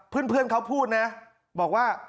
เพื่อนเขาพูดนะบอกว่า